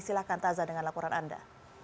silahkan taza dengan laporan anda